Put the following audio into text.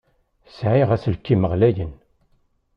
Sɛiɣ aselkim ɣlayen.